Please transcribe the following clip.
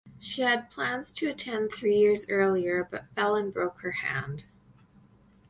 She had plans to attend three years earlier but fell and broke her hand.